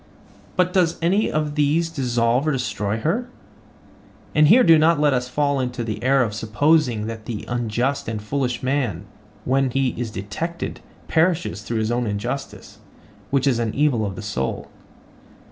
But does any of these dissolve or destroy her?—and here do not let us fall into the error of supposing that the unjust and foolish man, when he is detected, perishes through his own injustice, which is an evil of the soul.